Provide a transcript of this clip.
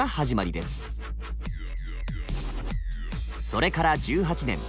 それから１８年。